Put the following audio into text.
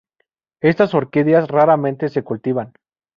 Estas orquídeas raramente se cultivan.